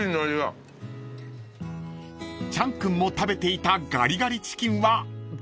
［チャン君も食べていたガリガリチキンはどうですか？］